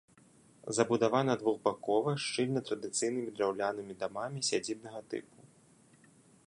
Забудавана двухбакова, шчыльна традыцыйнымі драўлянымі дамамі сядзібнага тыпу.